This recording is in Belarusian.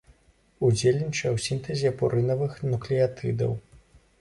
Ўдзельнічае ў сінтэзе пурынавых нуклеатыдаў.